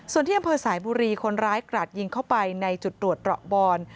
ส่วนที่อำเภอสายบุรีคนร้ายกราดยิงเข้าไปในจุดตรวจราบอน